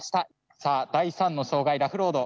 さあ第３の障害ラフロード。